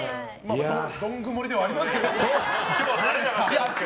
どん曇りではありますけどね。